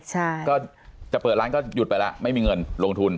ใช่ก็จะเปิดร้านก็หยุดไปแล้วไม่มีเงินลงทุน